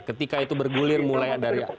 ketika itu bergulir mulai dari